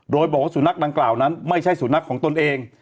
โดยบอกว่าสุนัขดังกล่าวนั้นไม่ใช่สุนัขของตนเอง